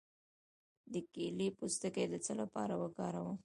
د کیلې پوستکی د څه لپاره وکاروم؟